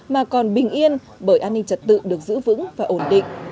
mà còn bình yên bởi an ninh trật tự được giữ vững và ổn định